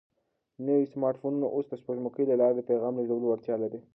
نوي سمارټ فونونه اوس د سپوږمکیو له لارې د پیغام لېږلو وړتیا لري.